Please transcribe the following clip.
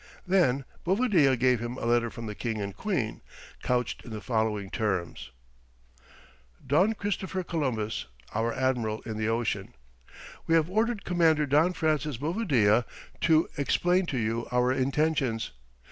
Then Bovadilla gave him a letter from the king and queen, couched in the following terms: "Don Christopher Columbus, our Admiral in the ocean, "We have ordered Commander Don Francis Bovadilla to explain to you our intentions.